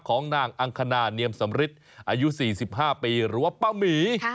ของนางอังคณาเนียมสำริทอายุ๔๕ปีหรือว่าป้าหมี